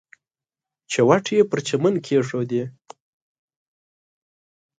چوټې یې پر چمن کېښودې.